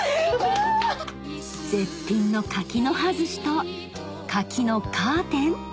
絶品の柿の葉ずしと柿のカーテン？